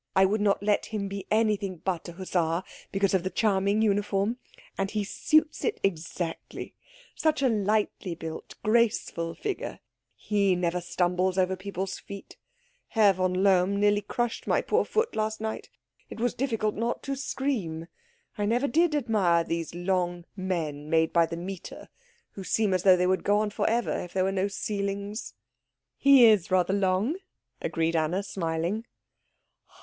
I would not let him be anything but a hussar because of the charming uniform. And he suits it exactly such a lightly built, graceful figure. He never stumbles over people's feet. Herr von Lohm nearly crushed my poor foot last night. It was difficult not to scream. I never did admire those long men made by the meter, who seem as though they would go on for ever if there were no ceilings." "He is rather long," agreed Anna, smiling.